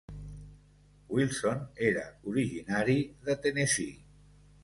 Wilson era originari de Tennessee.